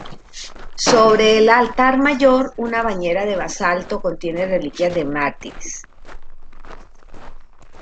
Sobre el altar mayor, una bañera de basalto contiene reliquias de mártires.